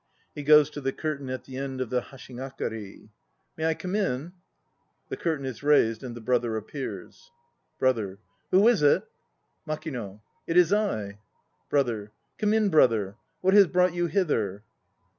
(He goes to the curtain at the end of the hashigakari.) May I come in? (The curtain is raised and the BROTHER appears.) BROTHER. Who is it? MAKINO. It is I. BROTHER. Come in, brother. What has brought you hither?